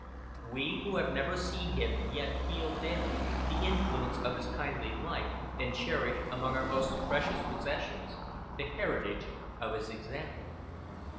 We who have never seen him yet feel daily the influence of his kindly life, and cherish among our most precious possessions the heritage of his example.